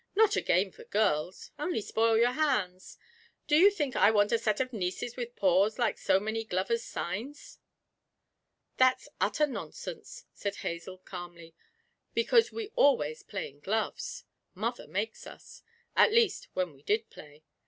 'Not a game for girls only spoil your hands do you think I want a set of nieces with paws like so many glovers' signs?' 'That's utter nonsense,' said Hazel, calmly, 'because we always play in gloves. Mother makes us. At least, when we did play.